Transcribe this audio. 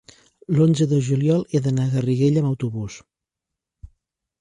l'onze de juliol he d'anar a Garriguella amb autobús.